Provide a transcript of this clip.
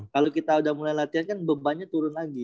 kalau kita udah mulai latihan kan bebannya turun lagi